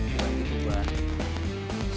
bukan gitu bang